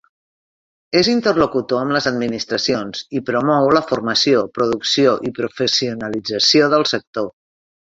És interlocutor amb les administracions i promou la formació, producció i professionalització del sector.